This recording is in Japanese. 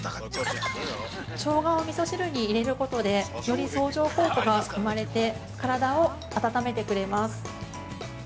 ◆しょうがをみそ汁に入れることでより相乗効果が生まれて体を温めてくれます。